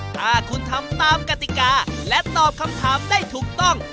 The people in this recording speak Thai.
ถ้าคุณทำตามกติกาและตอบคำถามได้ถูกต้อง